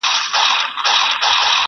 قلندر پر کرامت باندي پښېمان سو!